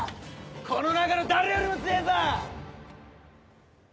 この中の誰よりも強えぇぞ！